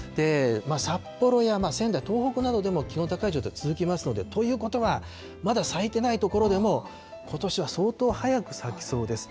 札幌や仙台、東北などでも気温の高い状態続きますので、ということは、まだ咲いてない所でも、ことしは相当早く咲きそうです。